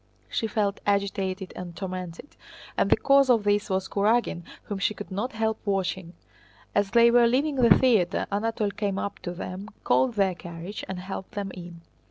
She felt agitated and tormented, and the cause of this was Kurágin whom she could not help watching. As they were leaving the theater Anatole came up to them, called their carriage, and helped them in.